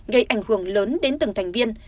gây ảnh hưởng lớn đến từng thành viên